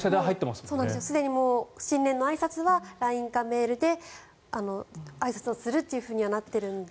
すでに新年のあいさつはＬＩＮＥかメールであいさつをするっていうふうになっているんで。